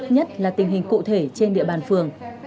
nhất là tình hình cụ thể trên địa bàn phường